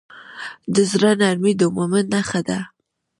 د زړه نرمي د مؤمن نښه ده.